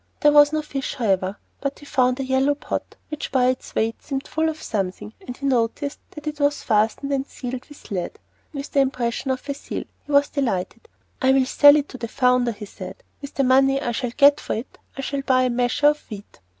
There was no fish however, but he found a yellow pot, which by its weight seemed full of something, and he noticed that it was fastened and sealed with lead, with the impression of a seal. He was delighted. "I will sell it to the founder," he said; "with the money I shall get for it I shall buy a measure of wheat."